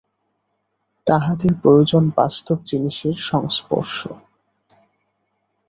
তাহাদের প্রয়োজন বাস্তব জিনিষের সংস্পর্শ।